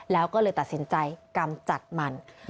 แล้วก็เลยตัดสินใจกำจัดมัน